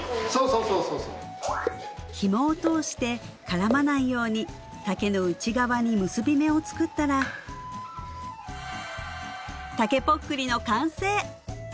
そうそうそうヒモを通して絡まないように竹の内側に結び目を作ったら竹ぽっくりの完成！